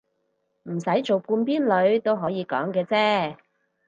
唔使做半邊女都可以講嘅啫